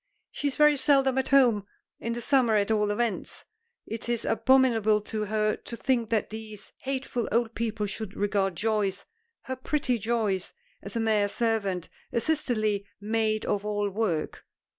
"She is very seldom at home; in the summer at all events." It is abominable to her to think that these hateful old people should regard Joyce, her pretty Joyce, as a mere servant, a sisterly maid of all work.